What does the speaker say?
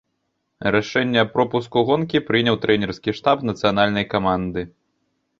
Рашэнне аб пропуску гонкі прыняў трэнерскі штаб нацыянальнай каманды.